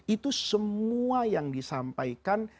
itu semua yang disampaikan